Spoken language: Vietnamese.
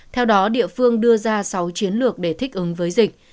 theo đó địa phương đưa ra sáu chiến lược để thích ứng với dịch